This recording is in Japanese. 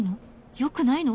よくないの？